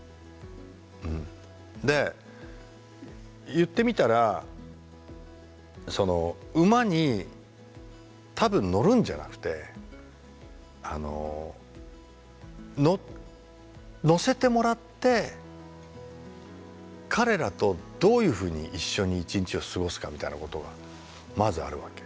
で言ってみたらその馬に多分乗るんじゃなくて乗せてもらって彼らとどういうふうに一緒に一日を過ごすかみたいなことがまずあるわけ。